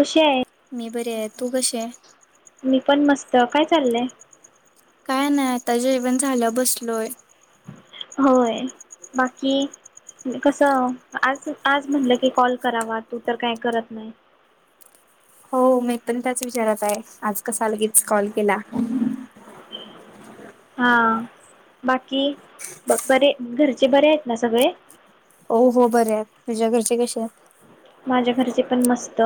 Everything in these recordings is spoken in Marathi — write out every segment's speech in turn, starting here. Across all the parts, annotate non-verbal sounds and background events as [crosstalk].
कशी आहे? मी बरी आहे. तू कशी आहे? मी पण मस्त, काय चाललंय? काय नाही? आता जेवण झालं बसलोय. होय. बाकी! कसं आज आज म्हटलं की कॉल करावा. तू तर काय करत नाही हो मी पण त्याच विचारात आहे. आज कसा लगेच कॉल? केला. हम! बाकी बरे घरचे बरे आहेत ना सगळे? हो हो बरे आहेत. तुझ्या घरचे कसे आहेत? माझ्या घरचे पण मस्त.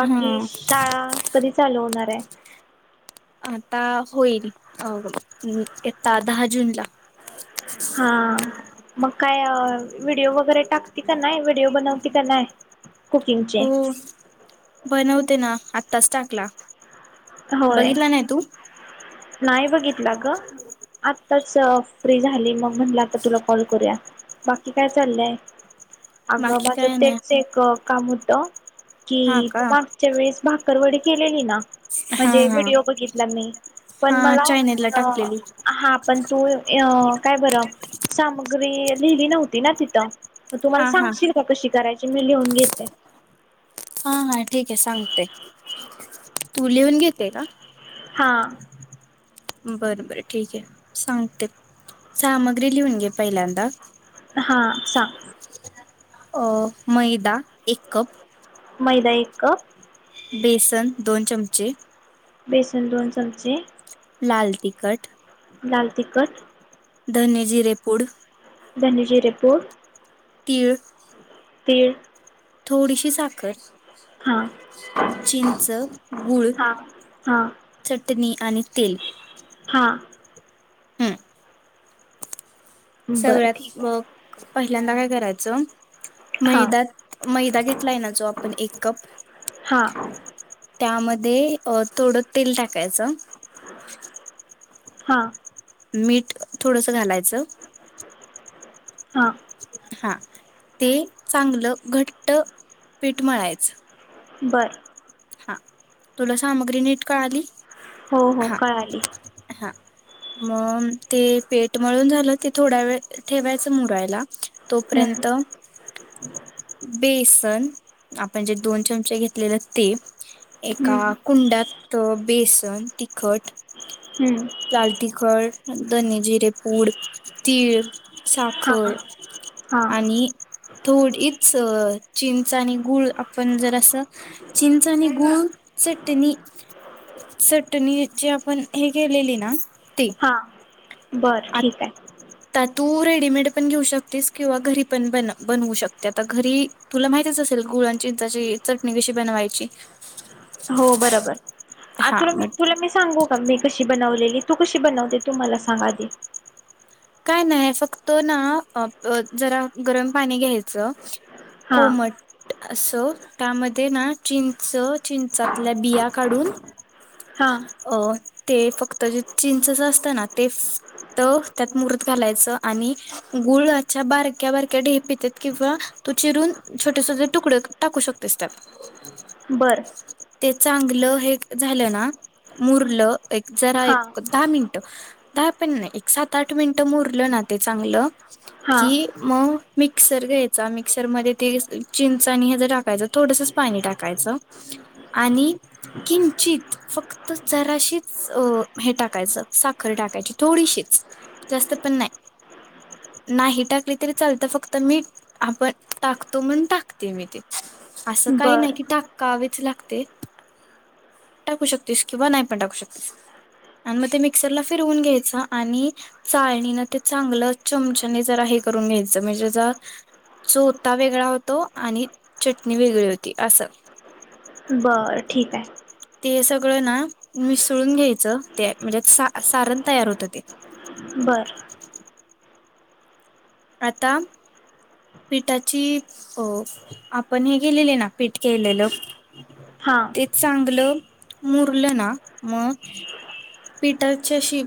बाकी हा शाळा? कधी चालू होणार आहे? आता होईल अ येता दहा जूनला. हा मग काय व्हिडिओ वगैरे टाकते का नाही? विडीओ बनवते की नाय? हो, बनवते ना. आता स्टेटस टाकला. होय. बघितला नाही तू? नाही बघितलं गं, आत्ताच फ्री झाली. मग म्हटलं आता तुला कॉल करूया. बाकी काय चाललंय? अगं बाकी माझं काय तेच नाही एक अ काम होत. हा कि तू का मागच्या वेळेस भाकर वडी केलेली ना. हा म्हणजे हा व्हिडिओ बघितला मी, हा पण मला चायनेलला अ टाकलेली. हा पण तू अ काय बरं सामग्री लिहिली नव्हती ना तिथं तर तू मला हा हा सांगशील का? कशी करायची? मी लिहून घेते. हा हा ठीक आहे सांगते. तू लिहून घेतेय का? हा. बर बरं ठीक आहे. सांगते. सामग्री लिहून घे पहिल्यांदा. हां सांग. अ मैदा एक कप मैदा एक कप. बेसन दोन चमचे बेसन दोन चमचे लाल तिकट लाल तिकट धने जीरे पूड धने जीरे पुड तीळ तीळ थोडीशी साखर हां चिंच गूळ हां हां चटणी आणि तेल हां हम्म बरं सगळ्यात ठीक आहे. मग पहिल्यांदा काय करायचं हां मैदा मैदा घेतला आहे ना जो आपण एक कप हां त्यामध्ये दे थोडं तेल टाकायचं हा मीठ थोडस घालायचं हा हा ते चांगलं घट्ट पीठ मळायच बरं हा तुला सामग्री नीट कळाली हो हो हा. कळाली हा मग ते पिठ मळून झालं ते थोडा वेळ ठेवायचं मुरायला हम्म तोपर्यंत [inaudible] बेसन आपण जे दोन चमचे घेतलेलं ते एका हम्म कुंडात बेसन तिखट हम्म लाल तिखट धने जिरे पूड तीळ हां साखर हां आणि थोडीच चिंच आणि गुळ आपण जर अस चिं च आणि गुळ चटणी चटणी जे आपण हे केलेले ना ते बर ठीक आहे तर तू रेडीमेड पण घेऊ शकतेस किंवा घरी पण बनवू शकते आता घरी तुला माहितीच असेल गुळचींचाची चटणी कशी बनवायची हो बरोबर आ हा तुला मी मग तुला मी सांगू का मी कशी बनवलेली तू कशी बनवते तू मला सांग आधी काय नाही फक्त ना जरा गरम पाणी घ्यायचं हां कोमट असं त्यामध्ये ना चिंच चिंचातल्या बिया काढून हां अ ते फक्त जे चिंचच असतं ना ते फक्त त्यात मुरत घालायचं आणि गुळाच्या बारक्या बारक्या ढेप येतात किंवा तू चिरून छोटे छोटे तुकडे टाकू शकतेस त्यात बरं ते चांगलं हे झालं ना मुरलं एक जरा हां एक दहा मिनट दहा पण नाही एक सात आठ मिनिटं मुरलं ना ते चांगलं हां कि म मिक्सर घ्यायचा मिक्सरमध्येध् ते चिंच हॅज हे टाकायचं थोडसच पाणी टाकायचं आणि किंचित फक्त जराशीच अ हे टाकायचं साखर टाकायची थोडीशीच जास्त पण नाही नाही टाकली तरी चालत फक्त मीठ आपण टाकतो म्हणून टाकते मी ते असं काही नाही बरं की टाकावे [unintelligible] टाकू शकतेस किंवा नाही पण टाकू शक्तीसआणि मग ते मिक्सरला फिरवून घ्यायच आणि चाळणीन ते चांगलं चमचाने जर हे करून घ्यायचं म्हणजे ज चोथा वेगळा होतो आणि चटणी वेगळी होती असं बर ठीक आहे ते सगळं ना मिसळून घ्यायचं ते म्हणजे सा सारण तयार होत ते बर आता पिठाची अ आपण हे केलेली आहे ना पीठ केलेलं हां तेच चांगलं मुरलं ना मग पिठाची अशी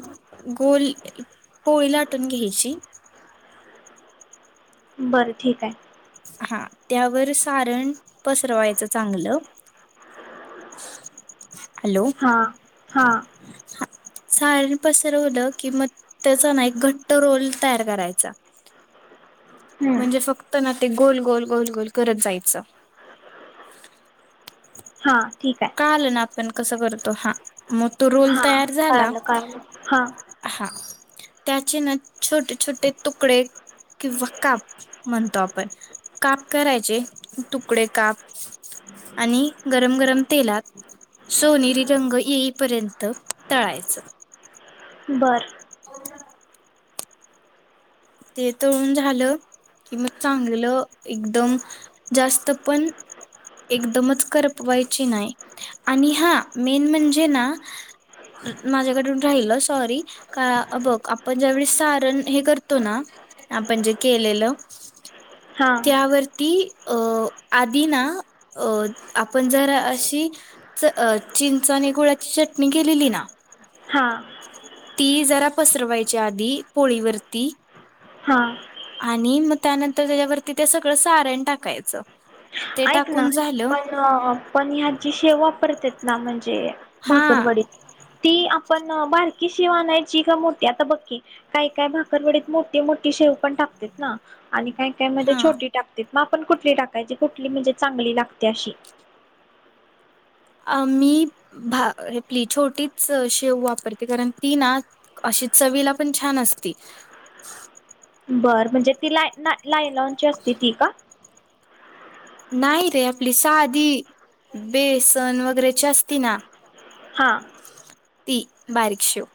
गोल पोळी लाटून घ्यायची बरं ठीक आहे. हा त्यावर सारण पसरवायचं चांगलं ह. हा हा. साारन पसरवलं की मग त्याचा ना एक घट्ट रोल तयार करायचा. हम्म म्हणजे फक्त ना ते गोल गोल गोल गोल करत जायचं. हा. ठीक आहे कळालं ना? आपण कस करतो? हा. तो हा रोल हा तयार झाला कळालं कळालं हा. हा त्याचे ना छोटे छोटे तुकडे किंवा काप म्हणतो आपण काप करायचे तुकडे काप आणि गरम गरम तेलात सोनेरी रंग येईपर्यंत तळायच. बरं. ते तळून झालं कि मग चांगलं एकदम जास्त पण ते तळून ते तळून झालं, की मग चांगलं जास्त पण एकदमच करपवायची नाही आणि हा मेन म्हणजे ना माझ्याकडून राहिलं सॉरी का बघ आपण ज्यावेळी सारण हे करत तो ना आपण जे केलेलं हा त्यावरती अ आधी ना आपण जरा अशी चिंच आणि गुळाची चटणी केलेली ना हा. ती जरा पसरवायच्या आधी पोळीवरती हा. आणि मग त्यानंतर त्याच्यावरती ते सगळं सारण टाकायचं. ते ऐक ना टाकून झालं पण पण ह्या जी शेव वापरत दम हा भाकरवाडीत ती पण बारकी शेव आणायची का मोठी? आता बघ की काही काय भाकररवडीत मोठी मोठी शेव पण टाकते ना आणि काय काय मध्ये हा छोटी टाकते म पण कुठली टाकायची? कु म्हणजे चांगली लागते अशी अ मी आपली छोटीच शेव वापरते कारण ती ना अशी चवीला पण छान असती. बरं म्हणजे ती ला ना लायलॉनची असते ती का? नाही रे आपली साधी बेसन वगैरेची असती ना हा हो. ती बारीक शेव.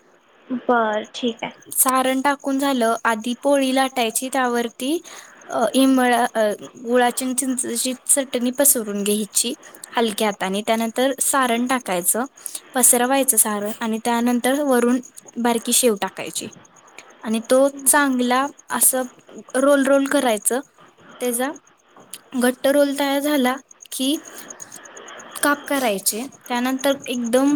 बरं ठीक. आहे सारण टाकून झालं आधी पोळी लाटायची त्यावरती इमळा गुळा चिं चिंचाची चटणी पसरून घ्यायची हलक्या हाताने त्यानंतर सारण टाकायचं पसरवायचं सारण आणि त्यानंतर वरून बारकी शेव टाका. का आणि तो चांगला अस रोल रोल करायच त्याचा घट्ट रोल तयार झाला कि काप करायचे त्यानंतर एकदम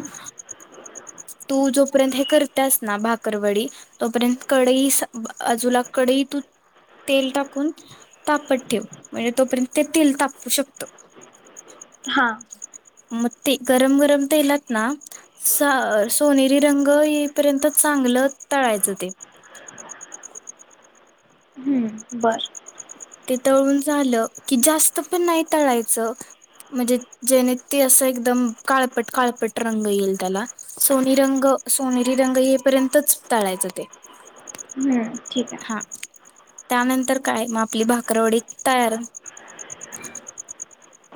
तू जोपर्यंत हे करतास ना भाग भाकरवडी तोपर्यंत बाजूला कढई त तेल टाकून तापत ठेव म्हणजे तोपर्यंत ते तेल तापू शकत. हा. मग ते गरम गरम तेलात ना सोनेरी रंग येपर्यंत चांगलं तळायचं ते. हं. बरं. ते तळून झालं कि जास्त पण नाही तळायचं म्हणजे जेने ते असं एकदम काळपट काळपट रंग येईल त्याला सोनी रंग सोनेरी रंग येपर्यंतच तळायचं ते हं. ठीक आहे. हा त्यानंतर काय मग आपली भाकररवडी तयार.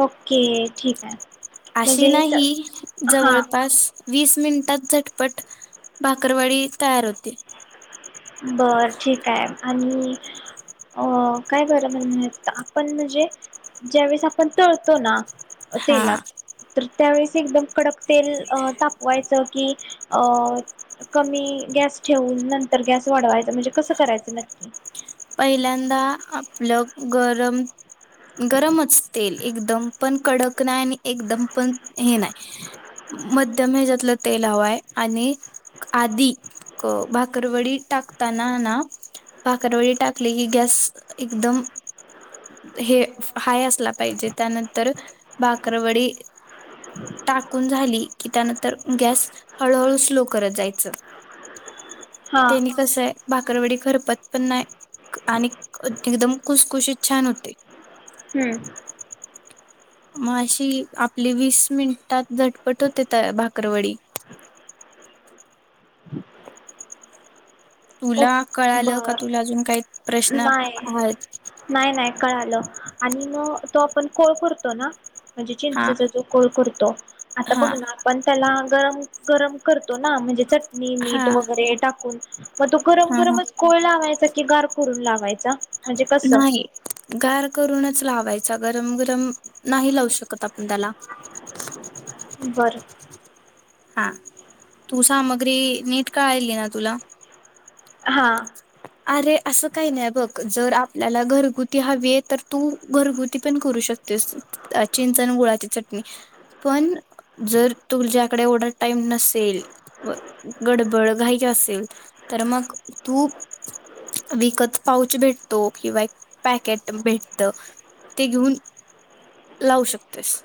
ओके ठीक आहे. अशी म्हणजे हे स नाही हां जवळपास वीस मिनिटांत झटपट भाकरवाडी तयार होते. बरं ठीक आहे आणि अ काय बरम्ह म्ह आपण म्हणजे ज्यावेळेस आपण तळतो ना हा तेलात त्यावेळेस एकदम कडक तेल तापवायचं की कमी गॅस ठेवून नंतर गॅस वाढवायचं म्हणजे कसं करायचं नक्की पहिल्यांदा आपलं गरम गरमच तेल एकदम पण कडक नाही आणि एकदम पण हे नाही मध्यम ह्याच्यातलं तेल हवंय आणि आधी भाकरवडी टाकताना ना भाकरवडी टाकलेली की गॅस एकदम हे हाय असला पाहिजे त्यानंतर भाकरवडी टाकून झाली की त्यानंतर गॅस हळूहळू स्लो करत जायच. हां त्यांनी कस आहे. भाकरवाडी खरपत पण नाही. आणि एकदम खुसखुशीत छान होते. हं. मग अशी आपली वीस मिनिटात झटपट होते त्या भाकरवडी तुला कळालं का बर तुला अजून काही प्रश्न नाही आहेत? नाही नाही कळालं आणि मग तो आपण कोळ पुरतो ना? म्हणजे हा चिंचेचा जो कोळ करतो आता बघ हा ना आपण त्याला गरम गरम करतो ना म्हणजे च मीठ हा वगैरे टाकून म तो गरम हा हा गरमच वायचं की घर करून लावायचा. म्हणजे कसं नाही गार करूनच लावायचं गरम गरम नाही लावू शकत आपण त्याला बरं. हा तू सामग्री नीट काळल ना तुला हा अरे असं काही नाही बघ जर आपल्याला घरगुती हवी आहे तर तू घरगुती पण करू शकतेस चिंचण गुळाची चटणी पण जर तुझ्याकडे ओढात टाईम नसेल गडबड घाईची असेल तर मग तू विकत पाऊच भेटतो किंवा एक पॅकेट भेटत ते घेऊन लावू शकतेस?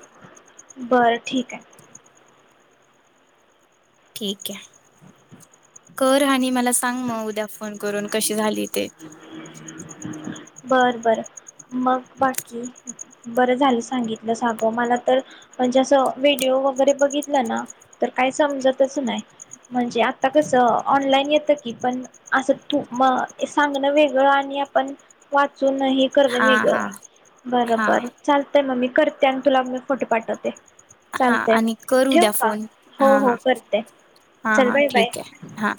बरं ठीक आहे. ठीक आहे कर आणि मला सांग मग उद्या फोन करून कशी झाली ते बर. बर मग बाकी बरं झालं सांगितलं सग मला तर म्हणजे असं व्हिडिओ वगैरे बघितलं ना तर काय समजतच नाही म्हणजे आता कसं ऑनलाईन येतं की पण असं तू म सांगण वेगळं आणि आपण वाचूनही कर हा मी हा हा बरोबर चालतय मम्मी करते आणि तुला मी फोटो पाठवते हा चालतंय मग आणि करू ठेवू द्या का फोन हो हा हो हां करते हा चल हां बाय बाय ठीक आहे हा